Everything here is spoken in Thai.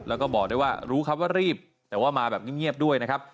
แล้วก็บอกได้ว่ารู้ครับว่ารีบแต่ว่ามาแบบเงียบด้วยนะครับ